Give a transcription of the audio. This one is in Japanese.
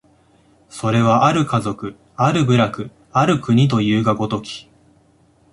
それは或る家族、或る部落、或る国というが如き、